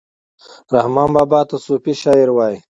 رحمان بابا ته صوفي شاعر وايي